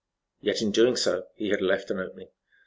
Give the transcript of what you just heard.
] Yet, in doing so, he had left an opening.